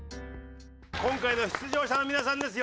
今回の出場者の皆さんです。